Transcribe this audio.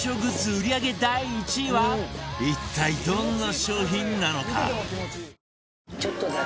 売り上げ第１位は一体どんな商品なのか？